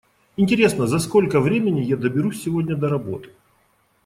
Интересно, за сколько времени я доберусь сегодня до работы?